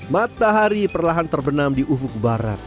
matahari perlahan terbenam di ufuk barat